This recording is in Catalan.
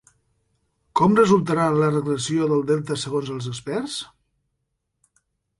Com resultarà la regressió del delta segons els experts?